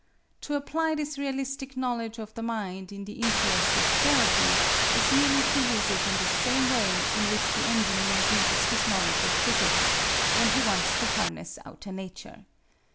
To apply this realistic knowledge of the mind in the interest of therapy is merely to use it in the same way in which the engineer uses his knowledge of physics, when he wants to harness outer nature.